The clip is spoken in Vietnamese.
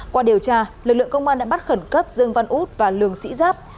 qua điều tra lực lượng công an đã bắt khẩn cấp dương văn út và lường sĩ giáp